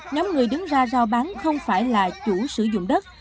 nhóm người đứng ra giao bán không phải là chủ sử dụng đất